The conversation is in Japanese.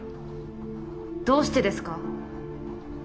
どうしてですか？